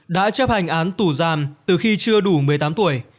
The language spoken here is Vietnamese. đã chấp hành án tù giam từ khi chưa đủ một mươi tám tuổi